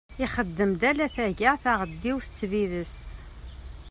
Ixeddem-d ala taga, taɣeddiwt d tbidest.